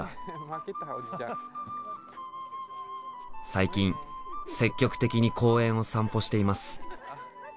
最近積極的に公園を散歩しています。